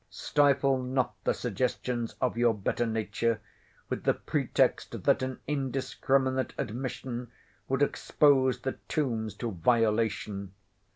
Stifle not the suggestions of your better nature with the pretext, that an indiscriminate admission would expose the Tombs to violation.